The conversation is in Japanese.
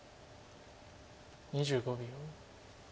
２５秒。